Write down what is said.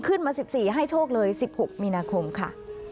ขึ้นมา๑๔ให้โชคเลย๑๖มีนาคมค่ะ